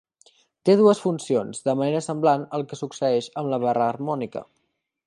Té dues funcions, de manera semblant al que succeeix amb la barra harmònica.